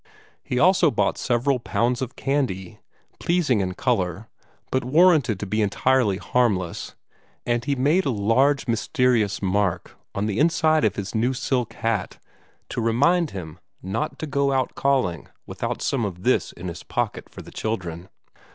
He also bought several pounds of candy, pleasing in color, but warranted to be entirely harmless, and he made a large mysterious mark on the inside of his new silk hat to remind him not to go out calling without some of this in his pocket for the children.